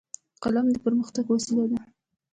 قلم د پرمختګ وسیله ده